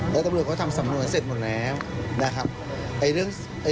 แล้วตำรวจก็ทำสำนวนเสร็จหมดแล้วนะครับ